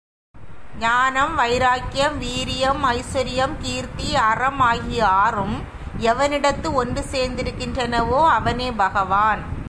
ஞானம், வைராக்கியம், வீரியம், ஐசுவரியம், கீர்த்தி, அறம் ஆகிய ஆறும் எவனிடத்து ஒன்று சேர்ந்திருக்கின்றனவோ அவனே பகவான்.